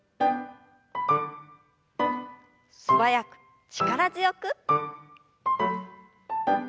素早く力強く。